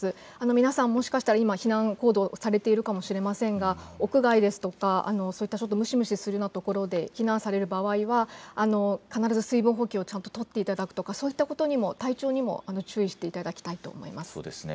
皆さん、もしかしたら今避難行動をされているかもしれませんが、屋外ですとかそういった蒸し蒸しするところで避難される場合は必ず水分補給をとっていただくとかそういったこと、体調にも注意していただきたいと思います。